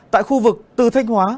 tại khu vực từ thách hóa